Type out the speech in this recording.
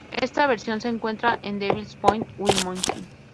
Esta versión se encuentra en Devil's Point, Wyoming.